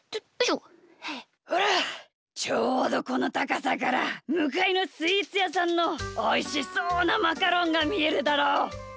ほらちょうどこのたかさからむかいのスイーツやさんのおいしそうなマカロンがみえるだろ？